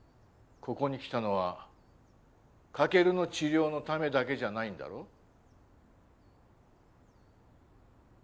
ここに来たのは駆の治療のためだけじゃないんだろう？